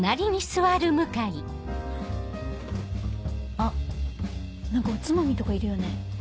あっ何かおつまみとかいるよね？